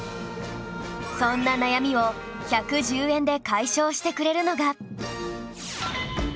そんな悩みを１１０円で解消してくれるのが